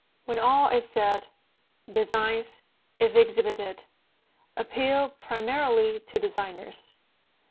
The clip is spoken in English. When all is said, designs, if exhibited, appeal primarily to designers.